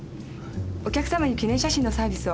お客さまに記念写真のサービスを。